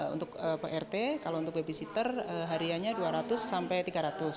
untuk prt kalau untuk babysitter hariannya dua ratus sampai tiga ratus